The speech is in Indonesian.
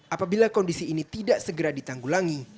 apabila kondisi ini tidak segera ditanggulangi